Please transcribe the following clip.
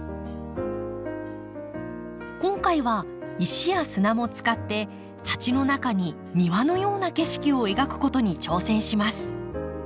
今回は石や砂も使って鉢の中に庭のような景色を描くことに挑戦します。